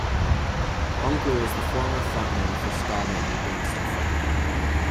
Bunkley was the former frontman for Ska band Gangster Fun.